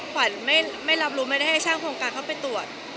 ขวัญไม่รับรู้ไม่ได้ให้ช่างโครงการเข้าไปตรวจ